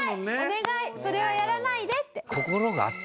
お願いそれはやらないでって。